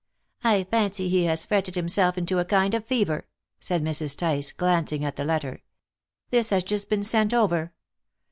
"I fancy he has fretted himself into a kind of fever," said Mrs. Tice, glancing at the letter. "This has just been sent over.